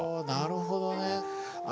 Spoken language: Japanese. なるほどね。